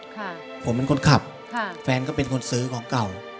ค่ะผมเป็นคนขับค่ะแฟนก็เป็นคนซื้อของเก่า